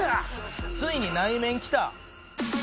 ついに内面きた。